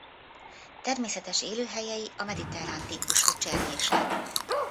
Természetes élőhelyei a mediterrán típusú cserjések.